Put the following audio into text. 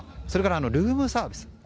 それからルームサービス。